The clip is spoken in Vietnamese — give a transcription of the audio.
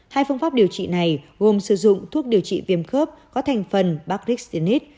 hai phương pháp điều trị này gồm sử dụng thuốc điều trị viêm khớp có thành phần bacristinis